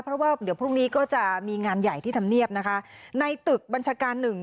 เพราะว่าเดี๋ยวพรุ่งนี้ก็จะมีงานใหญ่ที่ทำเนียบนะคะในตึกบัญชาการหนึ่ง